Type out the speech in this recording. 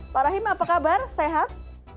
pak rahim apa kabar sehat